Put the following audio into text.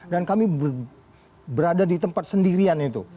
dan kami berada di tempat sendirian itu